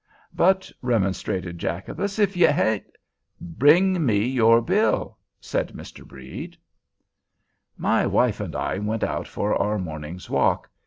"But," remonstrated Jacobus, "ef ye ain't——" "Bring me your bill!" said Mr. Brede. My wife and I went out for our morning's walk.